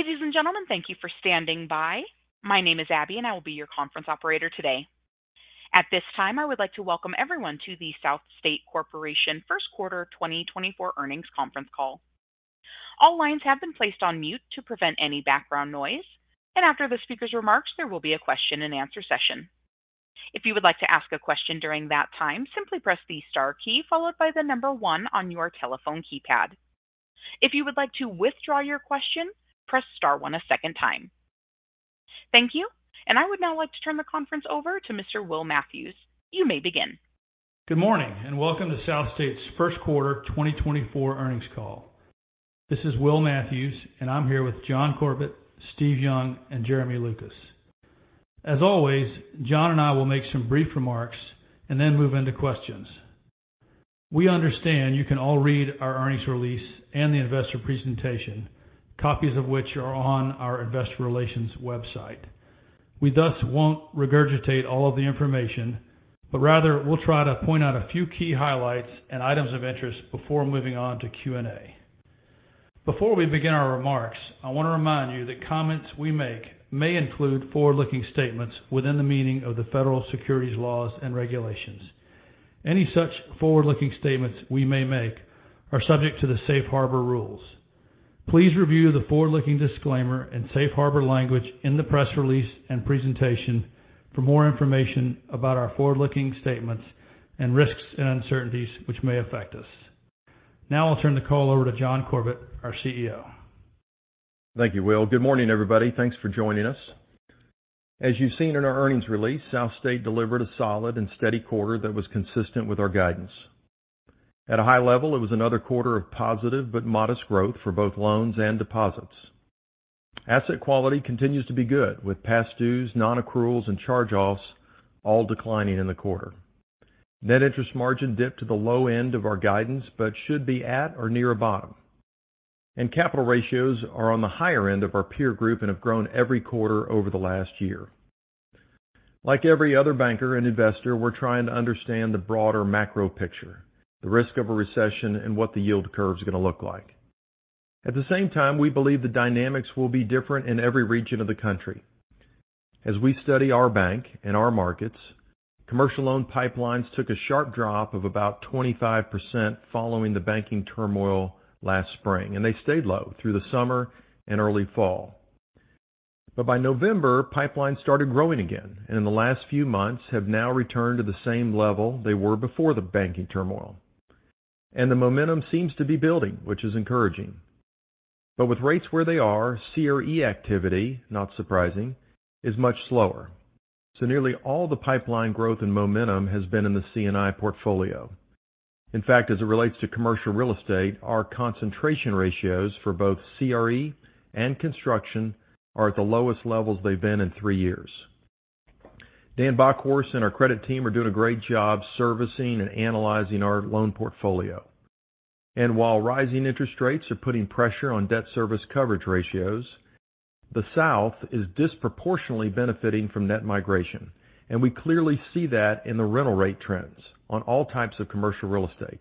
Ladies and gentlemen, thank you for standing by. My name is Abby, and I will be your conference operator today. At this time, I would like to welcome everyone to the SouthState Corporation first quarter 2024 earnings conference call. All lines have been placed on mute to prevent any background noise, and after the speaker's remarks, there will be a question-and-answer session. If you would like to ask a question during that time, simply press the star key followed by the number one on your telephone keypad. If you would like to withdraw your question, press star one a second time. Thank you, and I would now like to turn the conference over to Mr. Will Matthews. You may begin. Good morning, and welcome to SouthState's first quarter 2024 earnings call. This is Will Matthews, and I'm here with John Corbett, Steve Young, and Jeremy Lucas. As always, John and I will make some brief remarks and then move into questions. We understand you can all read our earnings release and the investor presentation, copies of which are on our investor relations website. We thus won't regurgitate all of the information, but rather we'll try to point out a few key highlights and items of interest before moving on to Q&A. Before we begin our remarks, I want to remind you that comments we make may include forward-looking statements within the meaning of the federal securities laws and regulations. Any such forward-looking statements we may make are subject to the safe harbor rules. Please review the forward-looking disclaimer and safe harbor language in the press release and presentation for more information about our forward-looking statements and risks and uncertainties which may affect us. Now I'll turn the call over to John Corbett, our CEO. Thank you, Will. Good morning, everybody. Thanks for joining us. As you've seen in our earnings release, SouthState delivered a solid and steady quarter that was consistent with our guidance. At a high level, it was another quarter of positive but modest growth for both loans and deposits. Asset quality continues to be good, with past dues, non-accruals, and charge-offs all declining in the quarter. Net interest margin dipped to the low end of our guidance but should be at or near a bottom. Capital ratios are on the higher end of our peer group and have grown every quarter over the last year. Like every other banker and investor, we're trying to understand the broader macro picture, the risk of a recession, and what the yield curve is gonna look like. At the same time, we believe the dynamics will be different in every region of the country. As we study our bank and our markets, commercial loan pipelines took a sharp drop of about 25% following the banking turmoil last spring, and they stayed low through the summer and early fall. But by November, pipelines started growing again, and in the last few months have now returned to the same level they were before the banking turmoil. And the momentum seems to be building, which is encouraging. But with rates where they are, CRE activity, not surprising, is much slower. So nearly all the pipeline growth and momentum has been in the C&I portfolio. In fact, as it relates to commercial real estate, our concentration ratios for both CRE and construction are at the lowest levels they've been in three years. Dan Bockhorst and our credit team are doing a great job servicing and analyzing our loan portfolio. And while rising interest rates are putting pressure on debt service coverage ratios, the South is disproportionately benefiting from net migration, and we clearly see that in the rental rate trends on all types of commercial real estate.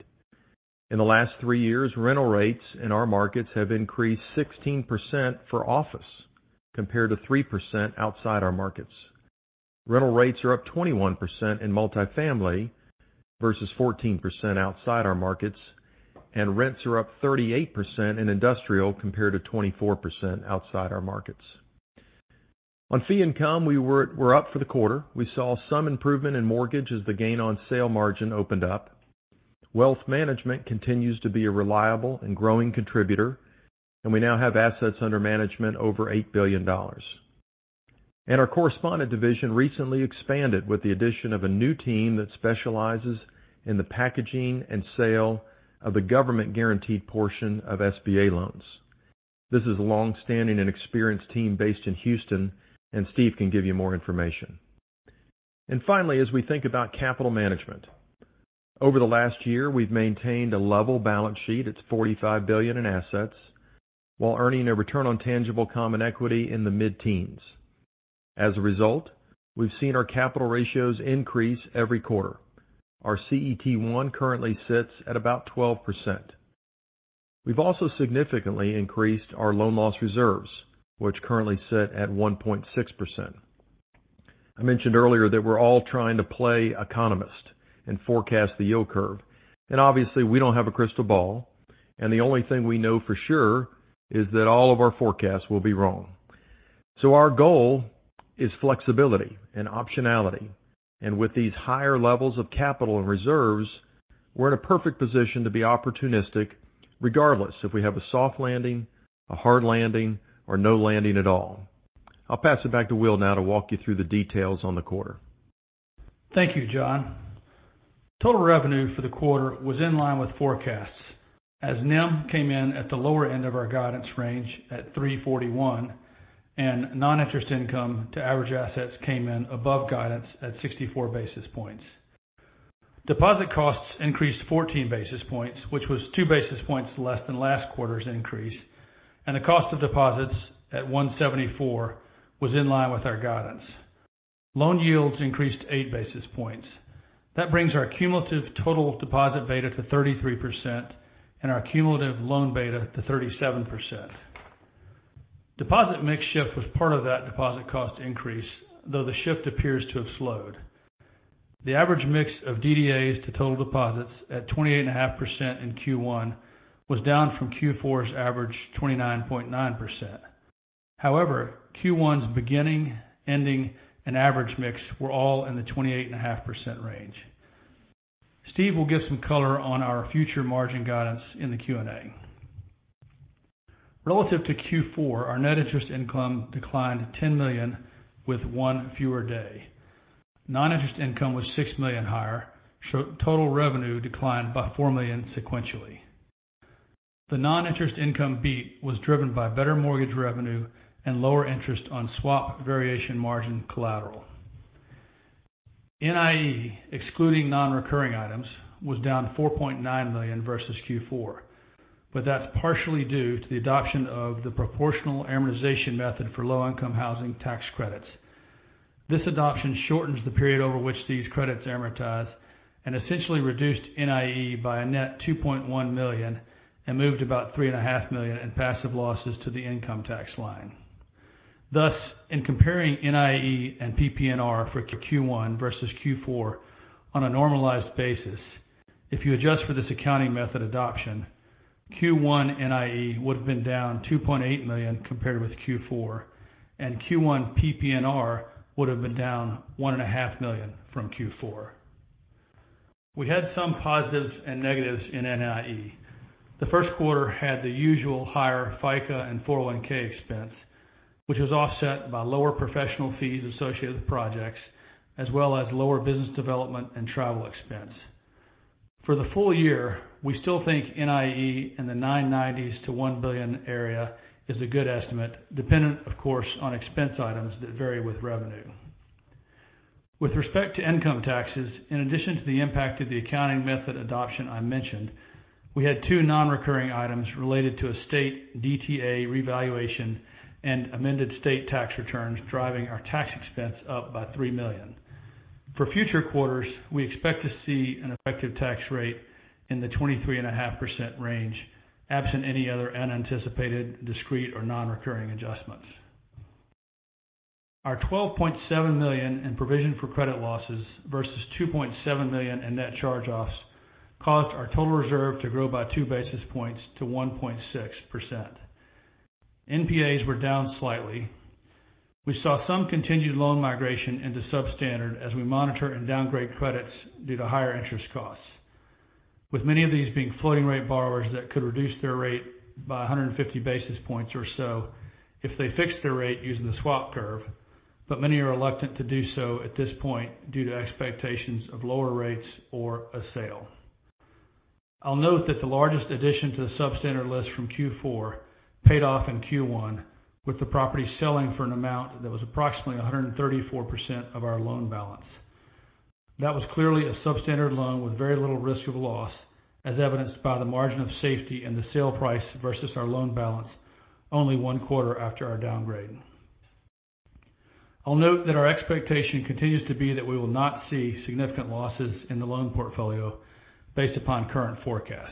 In the last three years, rental rates in our markets have increased 16% for office, compared to 3% outside our markets. Rental rates are up 21% in multifamily versus 14% outside our markets, and rents are up 38% in industrial, compared to 24% outside our markets. On fee income, we're up for the quarter. We saw some improvement in mortgage as the gain on sale margin opened up. Wealth management continues to be a reliable and growing contributor, and we now have assets under management over $8 billion. Our correspondent division recently expanded with the addition of a new team that specializes in the packaging and sale of the government-guaranteed portion of SBA loans. This is a long-standing and experienced team based in Houston, and Steve can give you more information. Finally, as we think about capital management. Over the last year, we've maintained a level balance sheet. It's $45 billion in assets, while earning a return on tangible common equity in the mid-teens. As a result, we've seen our capital ratios increase every quarter. Our CET1 currently sits at about 12%. We've also significantly increased our loan loss reserves, which currently sit at 1.6%. I mentioned earlier that we're all trying to play economist and forecast the yield curve, and obviously, we don't have a crystal ball, and the only thing we know for sure is that all of our forecasts will be wrong. So our goal is flexibility and optionality, and with these higher levels of capital and reserves, we're in a perfect position to be opportunistic, regardless if we have a soft landing, a hard landing, or no landing at all. I'll pass it back to Will now to walk you through the details on the quarter. Thank you, John. Total revenue for the quarter was in line with forecasts, as NIM came in at the lower end of our guidance range at 341, and non-interest income to average assets came in above guidance at 64 basis points. Deposit costs increased 14 basis points, which was 2 basis points less than last quarter's increase, and the cost of deposits at 174 was in line with our guidance. Loan yields increased 8 basis points. That brings our cumulative total deposit beta to 33% and our cumulative loan beta to 37%. Deposit mix shift was part of that deposit cost increase, though the shift appears to have slowed. The average mix of DDAs to total deposits at 28.5% in Q1 was down from Q4's average, 29.9%. However, Q1's beginning, ending, and average mix were all in the 28.5% range. Steve will give some color on our future margin guidance in the Q&A. Relative to Q4, our net interest income declined $10 million, with one fewer day. Non-interest income was $6 million higher. So total revenue declined by $4 million sequentially. The non-interest income beat was driven by better mortgage revenue and lower interest on swap variation margin collateral. NIE, excluding non-recurring items, was down $4.9 million versus Q4, but that's partially due to the adoption of the proportional amortization method for low-income housing tax credits. This adoption shortens the period over which these credits amortize and essentially reduced NIE by a net $2.1 million and moved about $3.5 million in passive losses to the income tax line. Thus, in comparing NIE and PPNR for Q1 versus Q4 on a normalized basis, if you adjust for this accounting method adoption, Q1 NIE would have been down $2.8 million compared with Q4, and Q1 PPNR would have been down $1.5 million from Q4. We had some positives and negatives in NIE. The first quarter had the usual higher FICA and 401(k) expense, which was offset by lower professional fees associated with projects, as well as lower business development and travel expense. For the full year, we still think NIE in the $990 million-$1 billion area is a good estimate, dependent, of course, on expense items that vary with revenue. With respect to income taxes, in addition to the impact of the accounting method adoption I mentioned, we had two non-recurring items related to a state DTA revaluation and amended state tax returns, driving our tax expense up by $3 million. For future quarters, we expect to see an effective tax rate in the 23.5% range, absent any other unanticipated, discrete or non-recurring adjustments. Our $12.7 million in provision for credit losses versus $2.7 million in net charge-offs, caused our total reserve to grow by two basis points to 1.6%. NPAs were down slightly. We saw some continued loan migration into substandard as we monitor and downgrade credits due to higher interest costs, with many of these being floating rate borrowers that could reduce their rate by 150 basis points or so if they fixed their rate using the swap curve, but many are reluctant to do so at this point due to expectations of lower rates or a sale. I'll note that the largest addition to the substandard list from Q4 paid off in Q1, with the property selling for an amount that was approximately 134% of our loan balance. That was clearly a substandard loan with very little risk of loss, as evidenced by the margin of safety and the sale price versus our loan balance only one quarter after our downgrade. I'll note that our expectation continues to be that we will not see significant losses in the loan portfolio based upon current forecasts.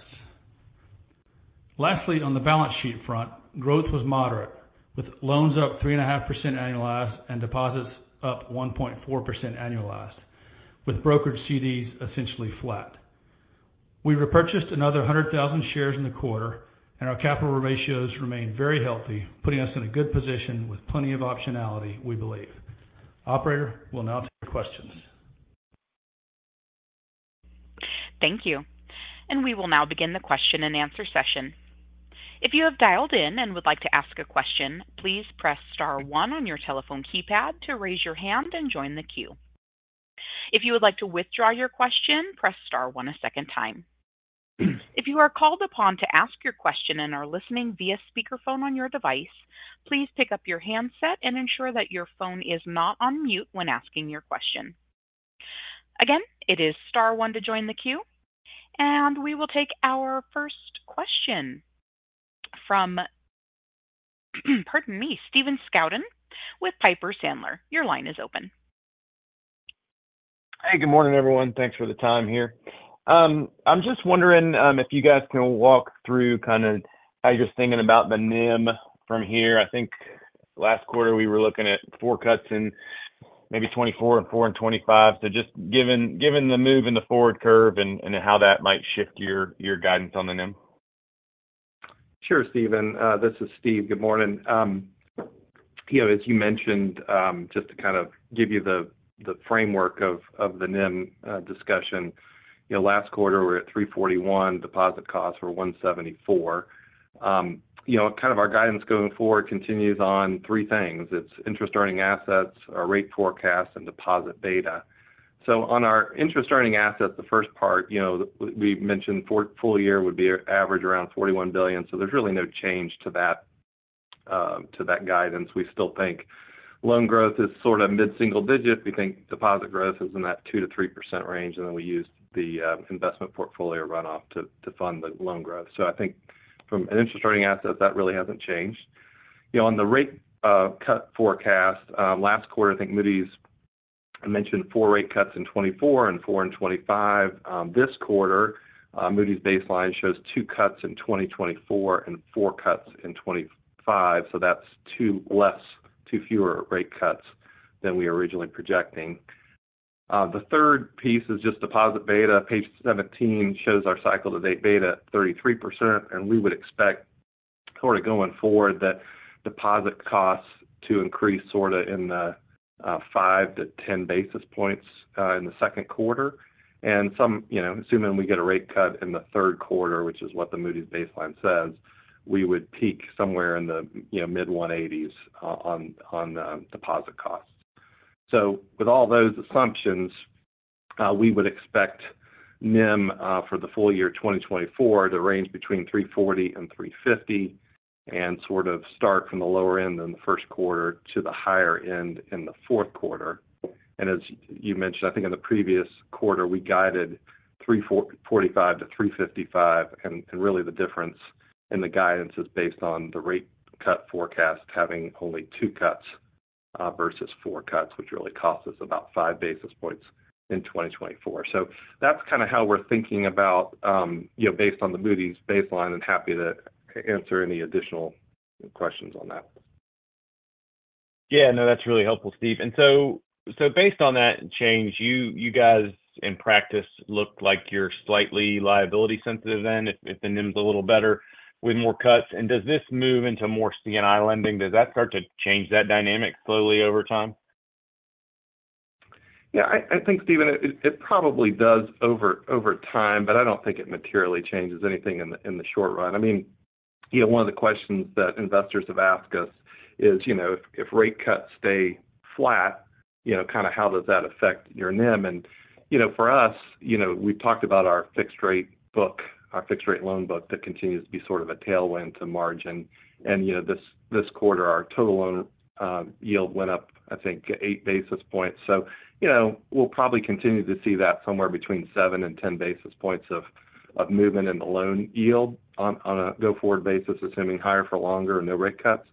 Lastly, on the balance sheet front, growth was moderate, with loans up 3.5% annualized and deposits up 1.4% annualized, with brokered CDs essentially flat. We repurchased another 100,000 shares in the quarter and our capital ratios remain very healthy, putting us in a good position with plenty of optionality, we believe. Operator, we'll now take questions. Thank you. We will now begin the question and answer session. If you have dialed in and would like to ask a question, please press star one on your telephone keypad to raise your hand and join the queue. If you would like to withdraw your question, press star one a second time. If you are called upon to ask your question and are listening via speakerphone on your device, please pick up your handset and ensure that your phone is not on mute when asking your question. Again, it is star one to join the queue. We will take our first question from, pardon me, Stephen Scouten with Piper Sandler. Your line is open. Hey, good morning, everyone. Thanks for the time here. I'm just wondering if you guys can walk through kind of how you're thinking about the NIM from here. I think last quarter we were looking at four cuts in maybe 2024 and four in 2025. So just given the move in the forward curve and how that might shift your guidance on the NIM. Sure, Stephen, this is Steve. Good morning. You know, as you mentioned, just to kind of give you the, the framework of, of the NIM, discussion. You know, last quarter, we were at 341. Deposit costs were 174. You know, kind of our guidance going forward continues on three things. It's interest earning assets, our rate forecast, and deposit beta. So on our interest earning assets, the first part, you know, we mentioned for full year would be average around $41 billion. So there's really no change to that, to that guidance. We still think loan growth is sort of mid-single digits. We think deposit growth is in that 2%-3% range, and then we use the investment portfolio runoff to fund the loan growth. So I think from an interest earning asset, that really hasn't changed. You know, on the rate cut forecast, last quarter, I think Moody's I mentioned four rate cuts in 2024 and four in 2025. This quarter, Moody's baseline shows two cuts in 2024 and four cuts in 2025, so that's two less, two fewer rate cuts than we originally projecting. The third piece is just deposit beta. Page 17 shows our cycle-to-date beta at 33%, and we would expect sort of going forward, that deposit costs to increase sorta in the 5-10 basis points in the second quarter. And some, you know, assuming we get a rate cut in the third quarter, which is what the Moody's baseline says, we would peak somewhere in the, you know, mid-180s on the deposit costs. So with all those assumptions, we would expect NIM for the full year 2024 to range between 3.40 and 3.50, and sort of start from the lower end in the first quarter to the higher end in the fourth quarter. And as you mentioned, I think in the previous quarter, we guided 3.45-3.55, and really the difference in the guidance is based on the rate cut forecast, having only two cuts versus four cuts, which really cost us about 5 basis points in 2024. So that's kind of how we're thinking about, you know, based on the Moody's baseline, and happy to answer any additional questions on that. Yeah, no, that's really helpful, Steve. And so based on that change, you guys in practice look like you're slightly liability sensitive then, if the NIM's a little better with more cuts. And does this move into more C&I lending? Does that start to change that dynamic slowly over time? Yeah, I think, Stephen, it probably does over time, but I don't think it materially changes anything in the short run. I mean, you know, one of the questions that investors have asked us is, you know, "If rate cuts stay flat, you know, kind of how does that affect your NIM?" And, you know, for us, you know, we've talked about our fixed-rate book, our fixed-rate loan book, that continues to be sort of a tailwind to margin. And, you know, this quarter, our total loan yield went up, I think, 8 basis points. So, you know, we'll probably continue to see that somewhere between 7 and 10 basis points of movement in the loan yield on a go-forward basis, assuming higher for longer and no rate cuts.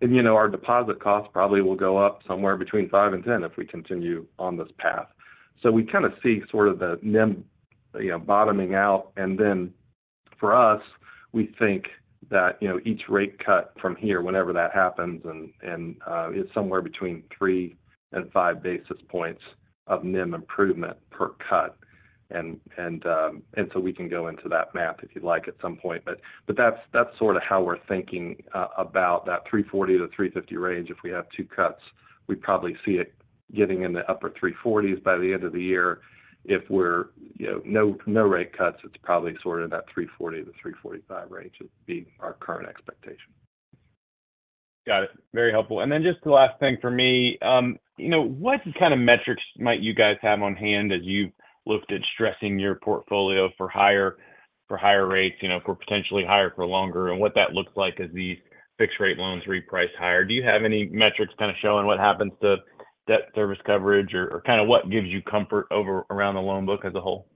You know, our deposit costs probably will go up somewhere between five and 10 if we continue on this path. So we kind of see sort of the NIM, you know, bottoming out. And then, for us, we think that, you know, each rate cut from here, whenever that happens, is somewhere between 3 and 5 basis points of NIM improvement per cut. And so we can go into that math if you'd like, at some point, but that's sort of how we're thinking about that 3.40-3.50 range. If we have two cuts, we'd probably see it getting in the upper 3.40s by the end of the year. If we're, you know, no rate cuts, it's probably sort of that 3.40-3.45 range would be our current expectation. Got it. Very helpful. And then just the last thing for me, you know, what kind of metrics might you guys have on hand as you've looked at stressing your portfolio for higher, for higher rates, you know, for potentially higher for longer, and what that looks like as these fixed-rate loans reprice higher? Do you have any metrics kind of showing what happens to debt service coverage or, or kind of what gives you comfort over around the loan book as a whole?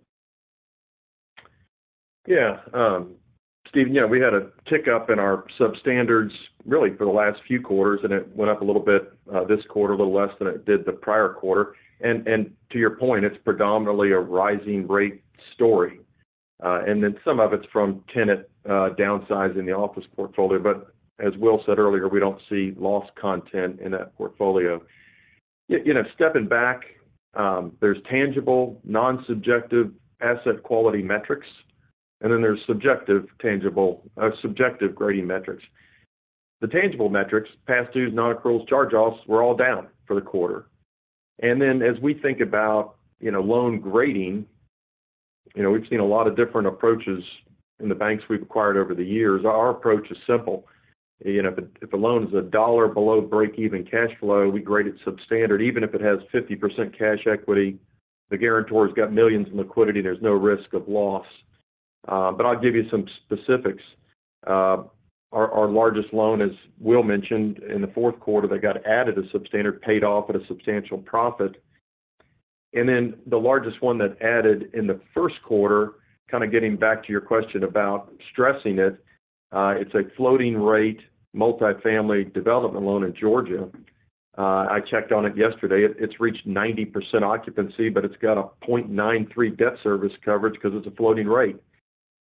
Yeah, Steve, you know, we had a tick up in our substandards, really for the last few quarters, and it went up a little bit, this quarter, a little less than it did the prior quarter. And to your point, it's predominantly a rising rate story. And then some of it's from tenant downsize in the office portfolio, but as Will said earlier, we don't see loss content in that portfolio. You know, stepping back, there's tangible, non-subjective asset quality metrics, and then there's subjective, tangible, subjective grading metrics. The tangible metrics, past dues, non-accruals, charge-offs, were all down for the quarter. And then, as we think about, you know, loan grading, you know, we've seen a lot of different approaches in the banks we've acquired over the years. Our approach is simple. You know, if a loan is a dollar below break-even cash flow, we grade it substandard, even if it has 50% cash equity, the guarantor's got millions in liquidity, and there's no risk of loss. But I'll give you some specifics. Our largest loan, as Will mentioned, in the fourth quarter, that got added as substandard, paid off at a substantial profit. And then the largest one that added in the first quarter, kind of getting back to your question about stressing it, it's a floating-rate multifamily development loan in Georgia. I checked on it yesterday. It's reached 90% occupancy, but it's got a 0.93 debt service coverage because it's a floating rate.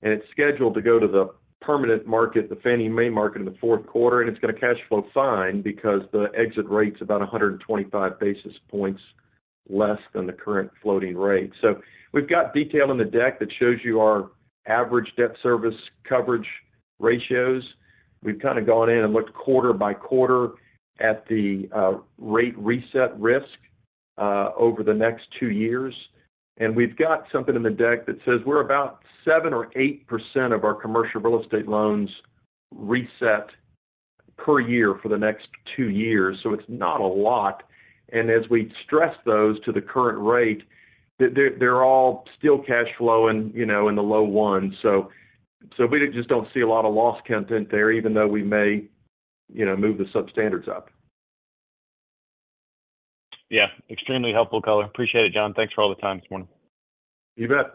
And it's scheduled to go to the permanent market, the Fannie Mae market, in the fourth quarter, and it's going to cash flow fine because the exit rate's about 125 basis points less than the current floating rate. So we've got detail in the deck that shows you our average debt service coverage ratios. We've kind of gone in and looked quarter by quarter at the rate reset risk over the next two years. And we've got something in the deck that says we're about 7% or 8% of our commercial real estate loans reset per year for the next two years, so it's not a lot. And as we stress those to the current rate, they're, they're all still cash flowing, you know, in the low ones. So, we just don't see a lot of loss content there, even though we may, you know, move the substandards up. Yeah. Extremely helpful color. Appreciate it, John. Thanks for all the time this morning. You bet.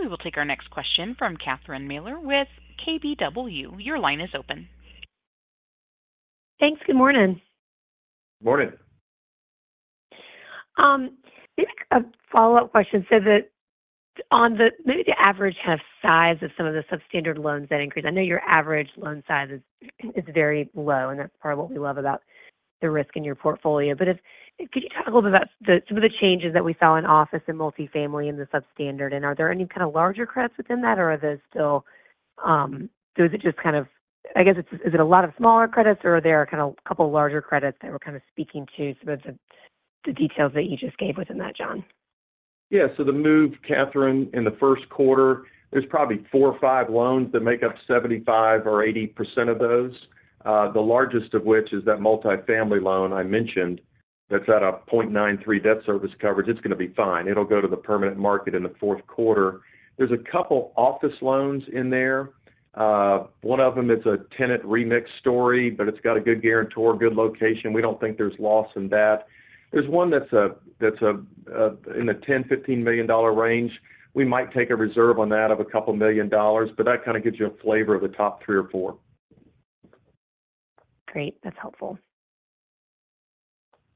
We will take our next question from Catherine Mealor with KBW. Your line is open. Thanks. Good morning. Morning. A follow-up question. So on the, maybe the average loan size of some of the substandard loans that increased. I know your average loan size is very low, and that's part of what we love about the risk in your portfolio. But could you talk a little bit about some of the changes that we saw in office and multifamily in the substandard? And are there any kind of larger credits within that, or are those still... So is it just kind of-- I guess it's, is it a lot of smaller credits, or are there kind of a couple larger credits that we're kind of speaking to, some of the details that you just gave within that, John? Yeah. So the move, Catherine, in the first quarter, there's probably four or five loans that make up 75% or 80% of those, the largest of which is that multifamily loan I mentioned. That's at a 0.93 debt service coverage. It's gonna be fine. It'll go to the permanent market in the fourth quarter. There's a couple office loans in there. One of them is a tenant mix story, but it's got a good guarantor, good location. We don't think there's loss in that. There's one that's a in the $10 million-$15 million range. We might take a reserve on that of a couple million dollars, but that kind of gives you a flavor of the top three or four. Great. That's helpful.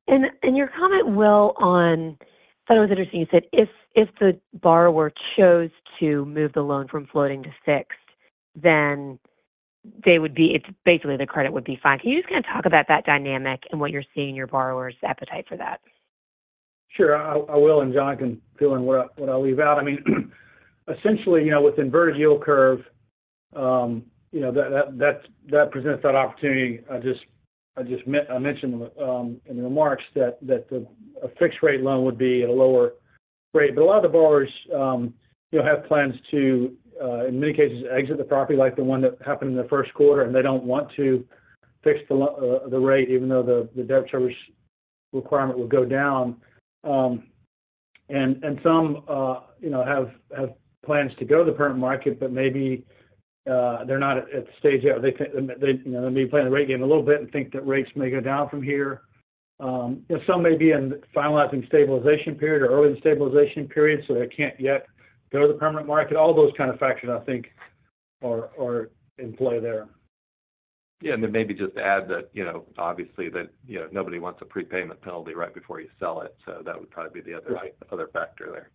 And your comment, Will, on—I thought it was interesting, you said if the borrower chose to move the loan from floating to fixed, then they would be—it's basically the credit would be fine. Can you just kind of talk about that dynamic and what you're seeing in your borrower's appetite for that? Sure, I will, and John can fill in what I leave out. I mean, essentially, you know, with inverted yield curve, you know, that presents that opportunity. I just mentioned in the remarks that a fixed rate loan would be at a lower rate. But a lot of the borrowers, you know, have plans to, in many cases, exit the property like the one that happened in the first quarter, and they don't want to fix the rate, even though the debt service requirement would go down. And some, you know, have plans to go to the permanent market, but maybe they're not at the stage yet, or they can, you know, maybe playing the rate game a little bit and think that rates may go down from here. And some may be in the finalizing stabilization period or early in the stabilization period, so they can't yet go to the permanent market. All those kind of factors, I think, are in play there. Yeah, and then maybe just add that, you know, obviously that, you know, nobody wants a prepayment penalty right before you sell it, so that would probably be the other factor there.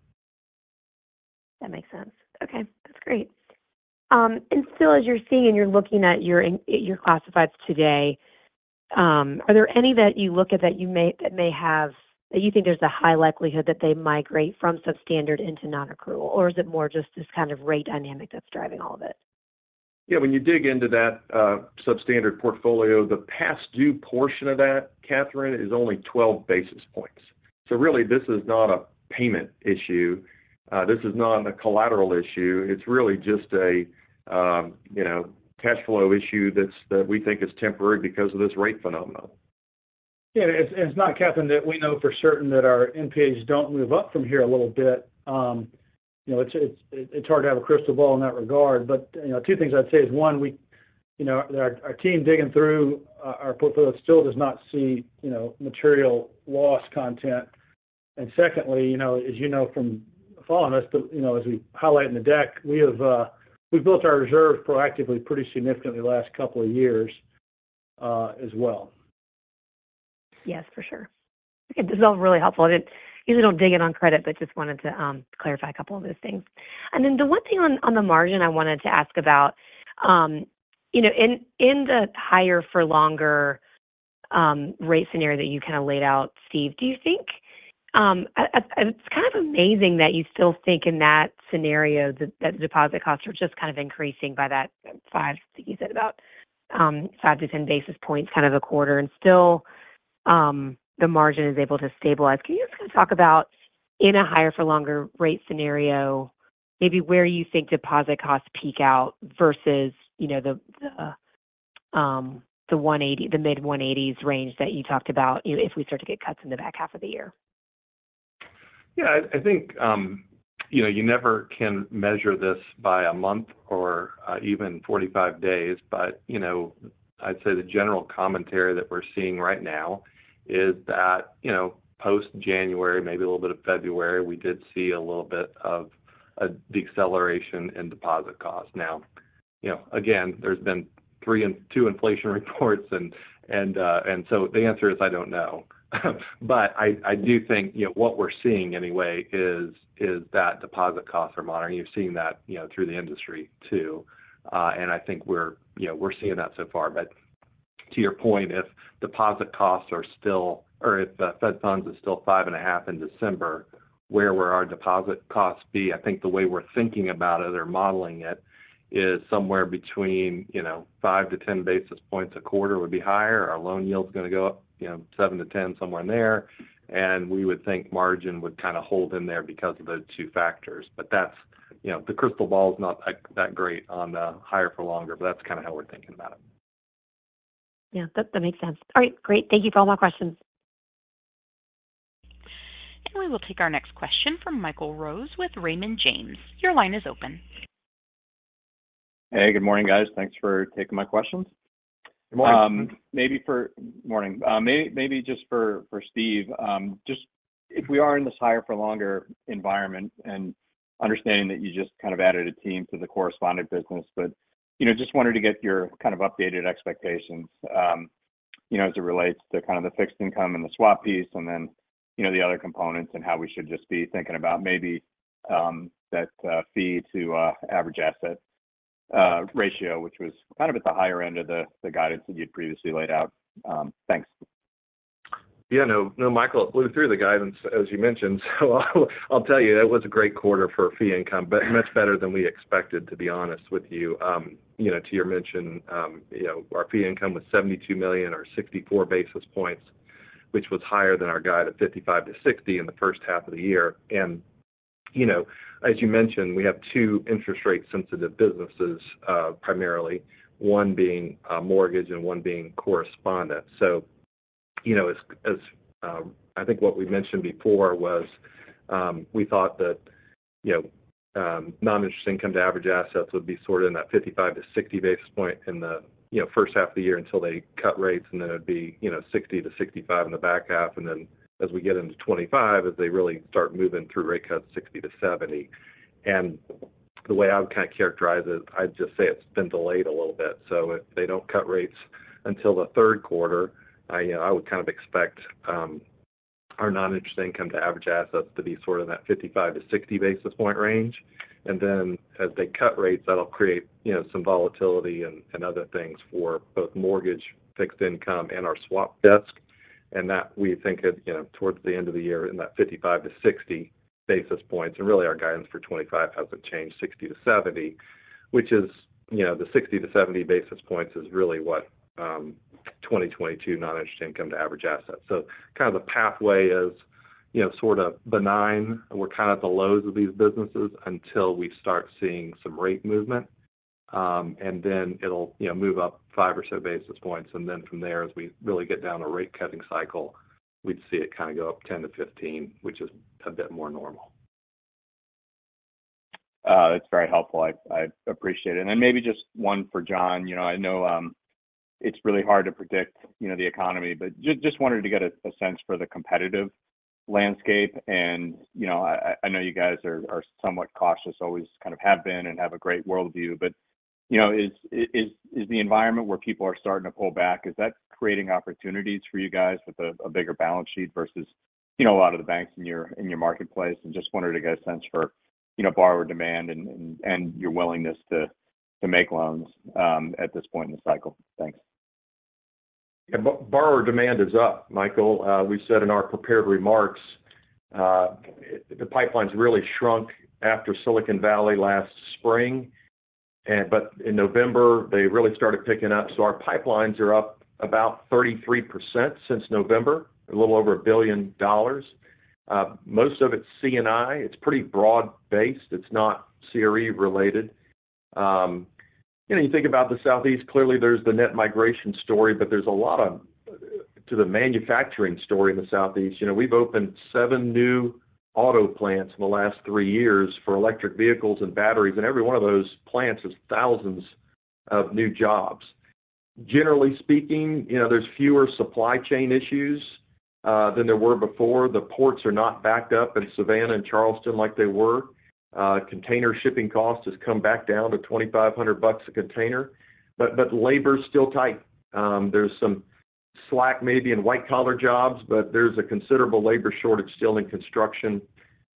That makes sense. Okay, that's great. And still, as you're seeing and you're looking at your classifieds today, are there any that you look at that you may, that may have, that you think there's a high likelihood that they migrate from substandard into nonaccrual? Or is it more just this kind of rate dynamic that's driving all of it? Yeah, when you dig into that substandard portfolio, the past due portion of that, Catherine, is only 12 basis points. So really, this is not a payment issue. This is not a collateral issue. It's really just a you know cash flow issue that's that we think is temporary because of this rate phenomenon. Yeah. And it's not, Catherine, that we know for certain that our NPAs don't move up from here a little bit. You know, it's hard to have a crystal ball in that regard. But, you know, two things I'd say is, one, we, you know, our team digging through our portfolio still does not see, you know, material loss content. And secondly, you know, as you know from following us, but, you know, as we highlight in the deck, we've built our reserve proactively, pretty significantly the last couple of years, as well. Yes, for sure. Okay, this is all really helpful. I usually don't dig in on credit, but just wanted to clarify a couple of those things. And then the one thing on the margin I wanted to ask about, you know, in the higher for longer rate scenario that you kind of laid out, Steve, do you think—it's kind of amazing that you still think in that scenario that the deposit costs are just kind of increasing by that five, you said about 5-10 basis points, kind of a quarter, and still the margin is able to stabilize. Can you just kind of talk about in a higher for longer rate scenario, maybe where you think deposit costs peak out versus, you know, the 180, the mid-180s range that you talked about, you know, if we start to get cuts in the back half of the year? Yeah, I think, you know, you never can measure this by a month or even 45 days. But, you know, I'd say the general commentary that we're seeing right now is that, you know, post-January, maybe a little bit of February, we did see a little bit of the acceleration in deposit costs. Now, you know, again, there's been two inflation reports, and so the answer is, I don't know. But I do think, you know, what we're seeing anyway is that deposit costs are moderate, and you're seeing that, you know, through the industry too. And I think we're, you know, we're seeing that so far. But to your point, if deposit costs are still, or if the Fed Funds is still 5.5% in December, where will our deposit costs be? I think the way we're thinking about it or modeling it is somewhere between, you know, 5-10 basis points a quarter would be higher. Our loan yield is going to go up, you know, 7-10, somewhere in there. And we would think margin would kind of hold in there because of those two factors. But that's... You know, the crystal ball is not that, that great on the higher for longer, but that's kind of how we're thinking about it. Yeah, that, that makes sense. All right, great. Thank you for all my questions. We will take our next question from Michael Rose with Raymond James. Your line is open. Hey, good morning, guys. Thanks for taking my questions. Good morning. Morning. Just for Steve, just if we are in this higher-for-longer environment and understanding that you just kind of added a team to the correspondent business, but, you know, just wanted to get your kind of updated expectations, you know, as it relates to kind of the fixed income and the swap piece, and then, you know, the other components and how we should just be thinking about maybe that fee to average asset ratio, which was kind of at the higher end of the guidance that you'd previously laid out. Thanks. Yeah, no, no, Michael, it blew through the guidance, as you mentioned. So I'll tell you, that was a great quarter for fee income, but much better than we expected, to be honest with you. You know, to your mention, you know, our fee income was $72 million or 64 basis points, which was higher than our guide at $55 million-$60 million in the first half of the year. And, you know, as you mentioned, we have two interest rate-sensitive businesses, primarily, one being mortgage and one being correspondent. So, you know, as. I think what we mentioned before was, we thought that, you know, non-interest income to average assets would be sort of in that 55-60 basis points in the, you know, first half of the year until they cut rates, and then it would be, you know, 60-65 in the back half. And then as we get into 2025, as they really start moving through rate cuts, 60-70. And the way I would kind of characterize it, I'd just say it's been delayed a little bit. So if they don't cut rates until the third quarter, I, you know, I would kind of expect, our non-interest income to average assets to be sort of in that 55-60 basis points range. And then, as they cut rates, that'll create, you know, some volatility and other things for both mortgage, fixed income, and our swap desk. And that we think is, you know, towards the end of the year, in that 55-60 basis points. And really, our guidance for 2025 hasn't changed, 60-70, which is, you know, the 60-70 basis points is really what twenty twenty-two non-interest income to average assets. So kind of the pathway is, you know, sort of benign. We're kind of at the lows of these businesses until we start seeing some rate movement, and then it'll, you know, move up 5 or so basis points. And then from there, as we really get down a rate cutting cycle, we'd see it kind of go up 10-15, which is a bit more normal. That's very helpful. I appreciate it. And then maybe just one for John. You know, I know it's really hard to predict, you know, the economy, but just wanted to get a sense for the competitive landscape. And you know, I know you guys are somewhat cautious, always kind of have been, and have a great worldview. But you know, is the environment where people are starting to pull back creating opportunities for you guys with a bigger balance sheet versus you know, a lot of the banks in your marketplace? And just wanted to get a sense for you know, borrower demand and your willingness to make loans at this point in the cycle. Thanks. Yeah. Borrower demand is up, Michael. We said in our prepared remarks, the pipeline's really shrunk after Silicon Valley last spring. But in November, they really started picking up, so our pipelines are up about 33% since November, a little over $1 billion. Most of it's C&I. It's pretty broad-based. It's not CRE related. You know, you think about the Southeast, clearly there's the net migration story, but there's a lot to the manufacturing story in the Southeast. You know, we've opened seven new auto plants in the last three years for electric vehicles and batteries, and every one of those plants is thousands of new jobs. Generally speaking, you know, there's fewer supply chain issues than there were before. The ports are not backed up in Savannah and Charleston like they were. Container shipping costs has come back down to $2,500 a container, but labor is still tight. There's some slack maybe in white-collar jobs, but there's a considerable labor shortage still in construction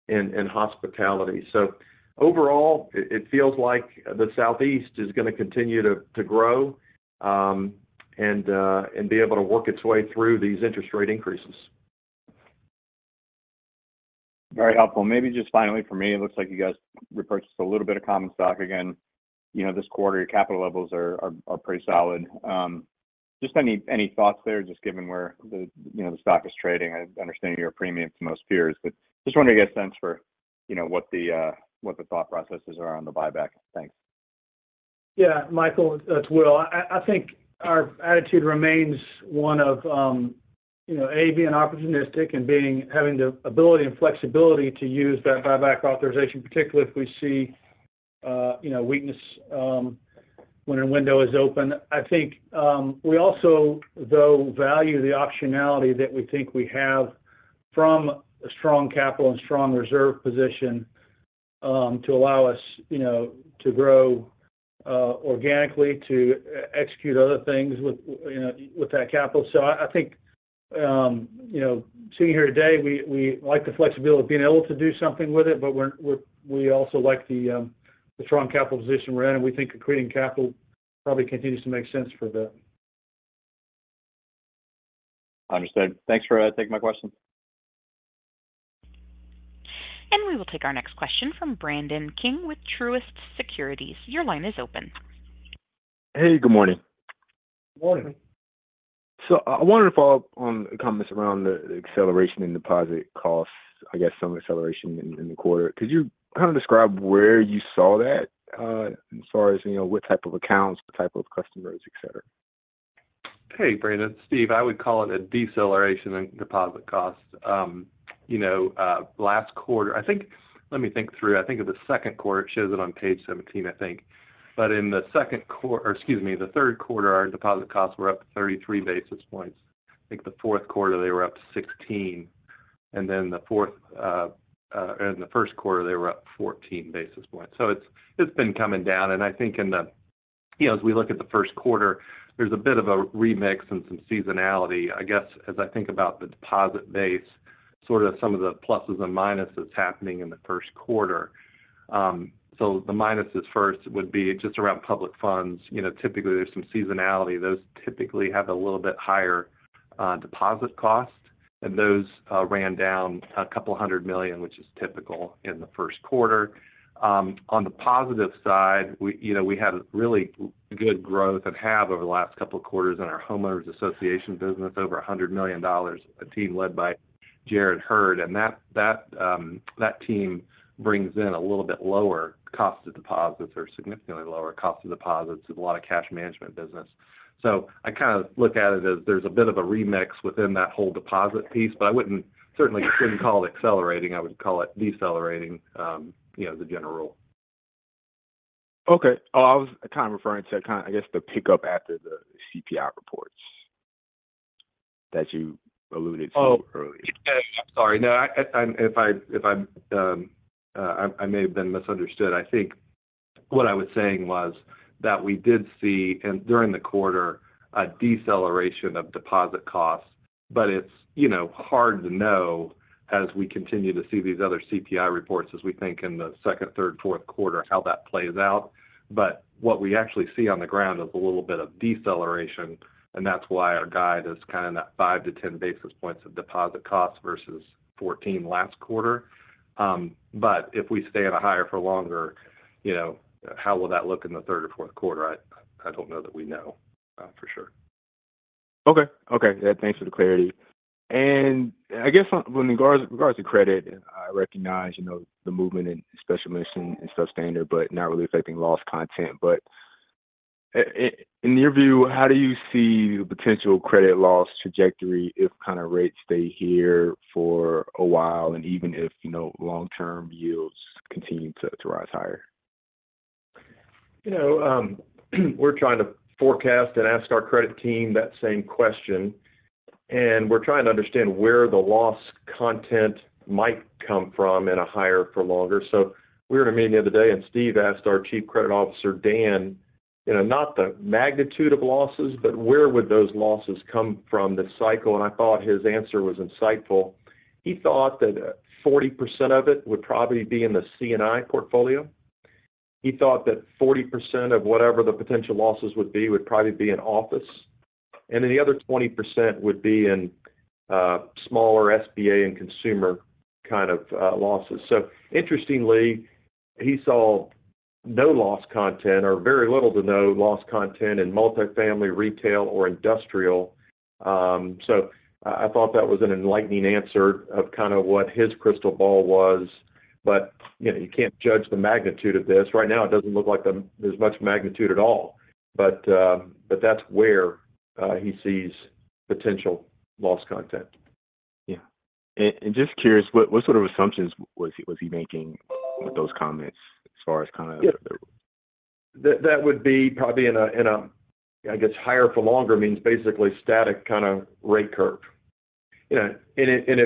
and hospitality. So overall, it feels like the Southeast is going to continue to grow, and be able to work its way through these interest rate increases. Very helpful. Maybe just finally for me, it looks like you guys repurchased a little bit of common stock again. You know, this quarter, your capital levels are pretty solid. Just any thoughts there, just given where the, you know, the stock is trading? I understand you're a premium to most peers, but just wanted to get a sense for, you know, what the thought processes are on the buyback. Thanks. Yeah, Michael, it's Will. I think our attitude remains one of, you know, a being opportunistic and having the ability and flexibility to use that buyback authorization, particularly if we see, you know, weakness when a window is open. I think we also, though, value the optionality that we think we have from a strong capital and strong reserve position to allow us, you know, to grow organically, to execute other things with, you know, with that capital. So I think, you know, sitting here today, we like the flexibility of being able to do something with it, but we also like the strong capital position we're in, and we think accreting capital probably continues to make sense for a bit. Understood. Thanks for taking my question. We will take our next question from Brandon King with Truist Securities. Your line is open. Hey, good morning. Morning. So I wanted to follow up on the comments around the acceleration in deposit costs, I guess some acceleration in the quarter. Could you kind of describe where you saw that, as far as, you know, what type of accounts, what type of customers, et cetera? Hey, Brandon, Steve, I would call it a deceleration in deposit costs. You know, last quarter, I think in the second quarter, it shows it on page 17, I think, but or excuse me, the third quarter, our deposit costs were up 33 basis points. I think the fourth quarter, they were up 16, and then in the first quarter, they were up 14 basis points. So it's, it's been coming down, and I think in the, you know, as we look at the first quarter, there's a bit of a remix and some seasonality. I guess, as I think about the deposit base, sort of some of the pluses and minuses happening in the first quarter. So the minuses first would be just around public funds. You know, typically, there's some seasonality. Those typically have a little bit higher deposit costs, and those ran down $200 million, which is typical in the first quarter. On the positive side, we, you know, we had really good growth and have over the last couple of quarters in our homeowners association business, over $100 million, a team led by Jared Hurd, and that team brings in a little bit lower cost of deposits or significantly lower cost of deposits with a lot of cash management business. So I kind of look at it as there's a bit of a remix within that whole deposit piece, but I wouldn't certainly shouldn't call it accelerating. I would call it decelerating, you know, as a general rule. Okay. Oh, I was kind of referring to kind of, I guess, the pickup after the CPI reports that you alluded to earlier. I'm sorry. No, if I'm misunderstood. I think what I was saying was that we did see, during the quarter, a deceleration of deposit costs, but it's, you know, hard to know as we continue to see these other CPI reports, as we think in the second, third, fourth quarter, how that plays out. But what we actually see on the ground is a little bit of deceleration, and that's why our guide is kind of that 5-10 basis points of deposit costs versus 14 last quarter. But if we stay at a higher for longer, you know, how will that look in the third or fourth quarter? I don't know that we know for sure. Okay. Okay, yeah, thanks for the clarity. And I guess, when in regards to credit, I recognize, you know, the movement in special mention and substandard, but not really affecting loss content. But in your view, how do you see the potential credit loss trajectory if kind of rates stay here for a while and even if, you know, long-term yields continue to rise higher? You know, we're trying to forecast and ask our credit team that same question, and we're trying to understand where the loss content might come from in a higher for longer. So we were in a meeting the other day, and Steve asked our Chief Credit Officer, Dan, you know, not the magnitude of losses, but where would those losses come from this cycle? And I thought his answer was insightful. He thought that 40% of it would probably be in the C&I portfolio. He thought that 40% of whatever the potential losses would be, would probably be in office, and then the other 20% would be in, smaller SBA and consumer kind of, losses. So interestingly, he saw no loss content or very little to no loss content in multifamily, retail, or industrial. So I thought that was an enlightening answer of kind of what his crystal ball was. But, you know, you can't judge the magnitude of this. Right now, it doesn't look like there's much magnitude at all, but, but that's where he sees potential loss content. Yeah. And just curious, what sort of assumptions was he making with those comments as far as kind of. That would be probably in a, in a, I guess, higher for longer means basically static kind of rate curve. You know, and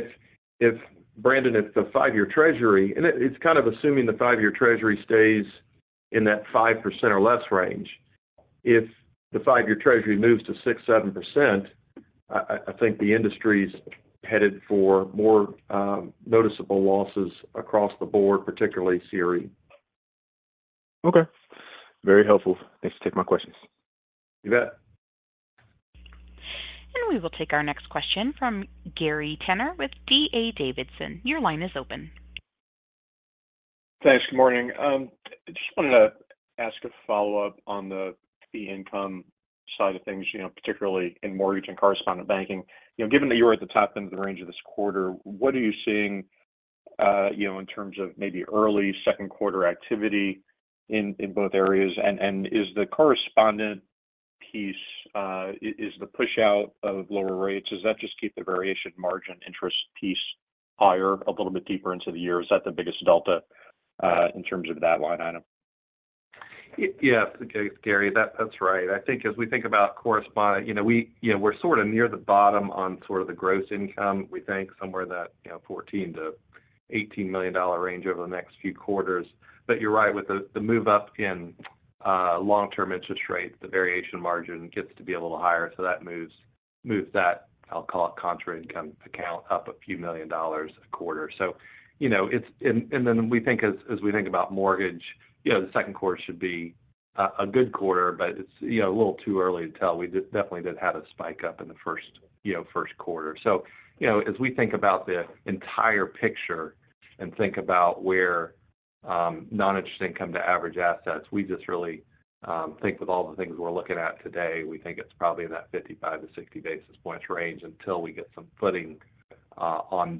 if Brandon, it's the five-year treasury, and it's kind of assuming the five-year treasury stays in that 5% or less range. If the five-year treasury moves to 6%-7%, I think the industry's headed for more noticeable losses across the board, particularly CRE. Okay, very helpful. Thanks for taking my questions. You bet. We will take our next question from Gary Tenner with D.A. Davidson. Your line is open. Thanks. Good morning. I just wanted to ask a follow-up on the income side of things, you know, particularly in mortgage and correspondent banking. You know, given that you are at the top end of the range of this quarter, what are you seeing, you know, in terms of maybe early second quarter activity in both areas? And is the correspondent piece, is the push out of lower rates, does that just keep the variation margin interest piece higher, a little bit deeper into the year? Is that the biggest delta in terms of that line item? Yes, Gary, that's right. I think as we think about correspondent, you know, we, you know, we're sort of near the bottom on sort of the gross income. We think somewhere in that, you know, $14 million-$18 million range over the next few quarters. But you're right, with the move up in long-term interest rates, the variation margin gets to be a little higher, so that moves that, I'll call it, contra income account up a few million dollar a quarter. So, you know, it's... And then we think as we think about mortgage, you know, the second quarter should be a good quarter, but it's, you know, a little too early to tell. We definitely did have a spike up in the first, you know, first quarter. So, you know, as we think about the entire picture and think about where non-interest income to average assets, we just really think with all the things we're looking at today, we think it's probably in that 55-60 basis points range until we get some footing on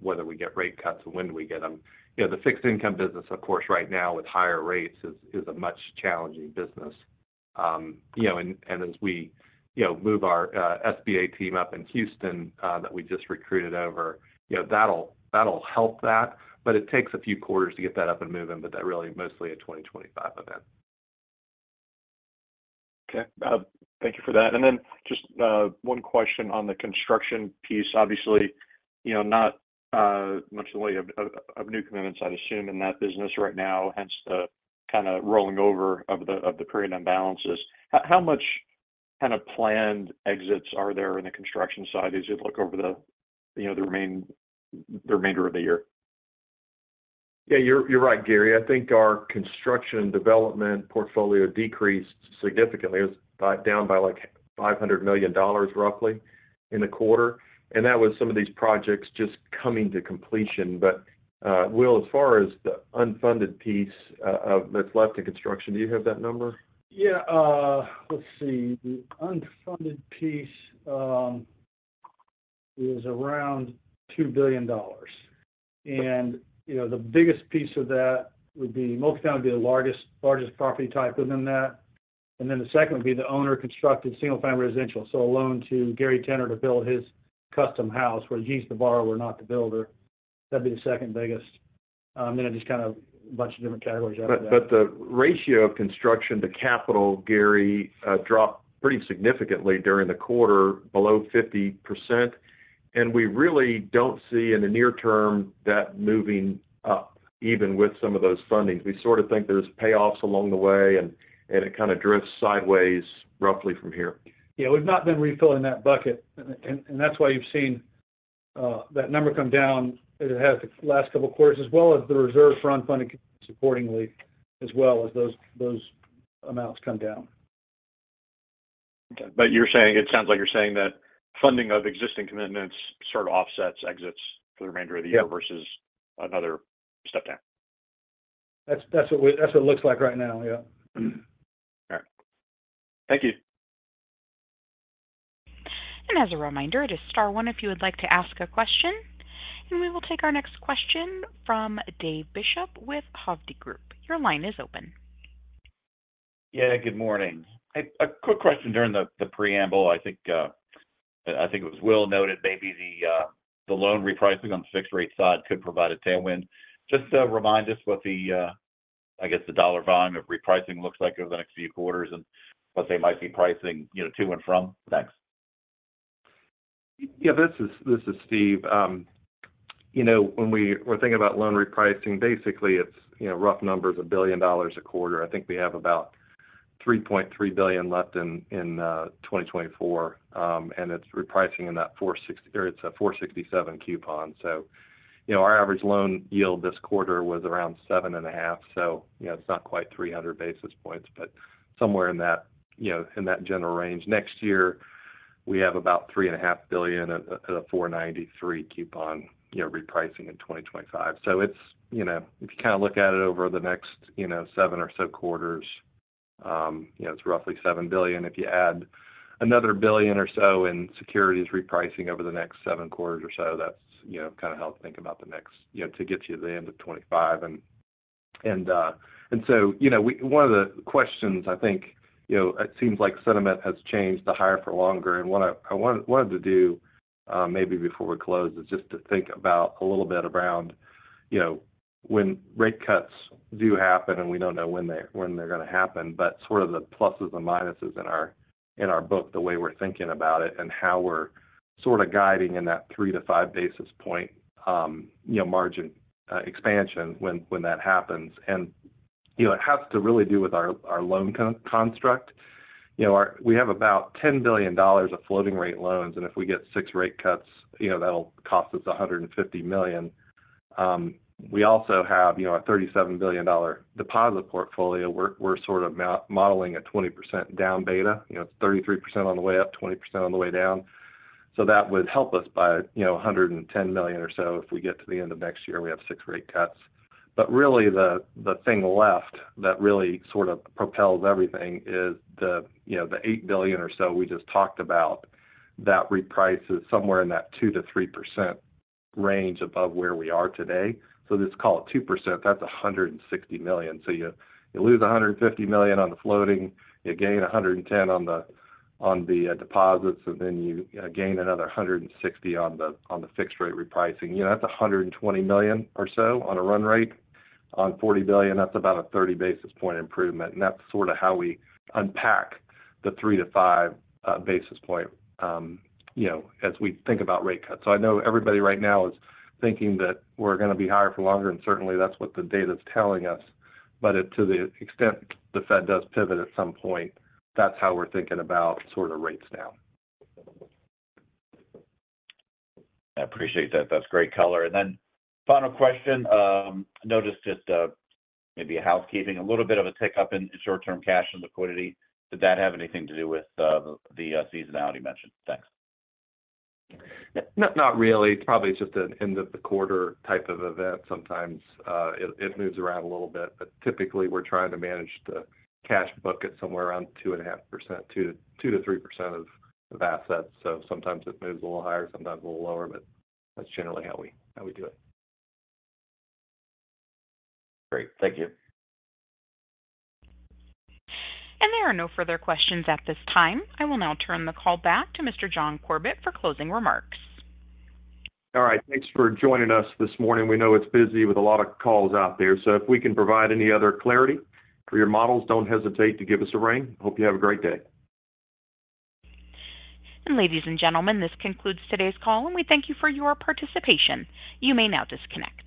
whether we get rate cuts and when do we get them. You know, the fixed income business, of course, right now with higher rates, is a much challenging business. You know, and as we move our SBA team up in Houston, that we just recruited over, you know, that'll help that, but it takes a few quarters to get that up and moving. But that really mostly a 2025 event. Okay. Thank you for that. And then just one question on the construction piece. Obviously, you know, not much in the way of new commitments, I'd assume, in that business right now, hence the kind of rolling over of the period imbalances. How much kind of planned exits are there in the construction side as you look over the remainder of the year? Yeah, you're right, Gary. I think our construction development portfolio decreased significantly. It was down by, like, $500 million, roughly, in the quarter, and that was some of these projects just coming to completion. But, Will, as far as the unfunded piece that's left in construction, do you have that number? Yeah, let's see. The unfunded piece is around $2 billion. You know, the biggest piece of that would be multifamily, the largest, largest property type within that. Then the second would be the owner-constructed single-family residential. So a loan to Gary Tenner to build his custom house, where he's the borrower, not the builder. That'd be the second biggest. Then just kind of a bunch of different categories after that. But the ratio of construction to capital, Gary, dropped pretty significantly during the quarter, below 50%, and we really don't see in the near term that moving up, even with some of those fundings. We sort of think there's payoffs along the way, and it kind of drifts sideways roughly from here. Yeah, we've not been refilling that bucket, and that's why you've seen that number come down, as it has the last couple of quarters, as well as the reserve for unfunded accordingly, as well as those amounts come down. But you're saying... It sounds like you're saying that funding of existing commitments sort of offsets exits for the remainder of the year versus another step down. That's what it looks like right now, yeah. All right. Thank you. As a reminder, just star one if you would like to ask a question. We will take our next question from David Bishop with Hovde Group. Your line is open. Yeah, good morning. A quick question during the preamble. I think, I think it was Will noted maybe the loan repricing on the fixed rate side could provide a tailwind. Just, remind us what the, I guess, the dollar volume of repricing looks like over the next few quarters and what they might be pricing, you know, to and from. Thanks. Yeah, this is, this is Steve. You know, when we're thinking about loan repricing, basically, it's, you know, rough numbers, $1 billion a quarter. I think we have about $3.3 billion left in 2024, and it's repricing in that 4.67 coupon. So, you know, our average loan yield this quarter was around 7.5, so you know, it's not quite 300 basis points, but somewhere in that, you know, in that general range. Next year, we have about $3.5 billion at a 4.93 coupon, you know, repricing in 2025. So it's, you know, if you kind of look at it over the next, you know, seven or so quarters, you know, it's roughly $7 billion. If you add another $1 billion or so in securities repricing over the next seven quarters or so, that's, you know, kind of how to think about the next, you know, to get to the end of 2025. And so, you know, one of the questions, I think, you know, it seems like sentiment has changed the higher for longer, and what I wanted to do, maybe before we close, is just to think about a little bit around, you know, when rate cuts do happen, and we don't know when they're gonna happen, but sort of the pluses and minuses in our book, the way we're thinking about it, and how we're sort of guiding in that 3-5 basis point, you know, margin expansion when that happens. You know, it has to really do with our loan construct. You know, we have about $10 billion of floating-rate loans, and if we get six rate cuts, you know, that'll cost us $150 million. We also have, you know, a $37 billion dollar deposit portfolio. We're sort of modeling a 20% down beta. You know, it's 33% on the way up, 20% on the way down. So that would help us by, you know, $110 million or so if we get to the end of next year, and we have six rate cuts. But really, the thing left that really sort of propels everything is the, you know, the $8 billion or so we just talked about, that reprices somewhere in that 2%-3% range above where we are today. So let's call it 2%, that's $160 million. So you, you lose $150 million on the floating, you gain $110 million on the, on the, deposits, and then you, gain another $160 million on the, on the fixed-rate repricing. You know, that's $120 million or so on a run rate. On $40 billion, that's about a 30 basis point improvement, and that's sort of how we unpack the 3-5 basis point, you know, as we think about rate cuts. So I know everybody right now is thinking that we're gonna be higher for longer, and certainly, that's what the data is telling us. But if to the extent the Fed does pivot at some point, that's how we're thinking about sort of rates now. I appreciate that. That's great color. And then final question. I noticed just, maybe a housekeeping, a little bit of a tick-up in short-term cash and liquidity. Did that have anything to do with, the seasonality mentioned? Thanks. Not really. It's probably just an end-of-the-quarter type of event. Sometimes, it moves around a little bit, but typically, we're trying to manage the cash bucket somewhere around 2.5%, 2%-3% of assets. So sometimes it moves a little higher, sometimes a little lower, but that's generally how we do it. Great. Thank you. There are no further questions at this time. I will now turn the call back to Mr. John Corbett for closing remarks. All right. Thanks for joining us this morning. We know it's busy with a lot of calls out there, so if we can provide any other clarity for your models, don't hesitate to give us a ring. Hope you have a great day. Ladies and gentlemen, this concludes today's call, and we thank you for your participation. You may now disconnect.